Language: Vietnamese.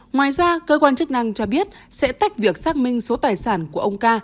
ngoài ra cơ quan chức năng cho biết sẽ tách việc xác minh số tài sản của ông ca